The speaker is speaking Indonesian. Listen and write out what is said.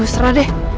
aduh serah deh